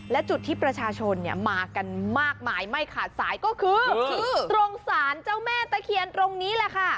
และจุดที่ประชาชนมากมายไม่ขาดสายก็คือตรงศาลเจ้าแม่ตะเขียนตรงนี้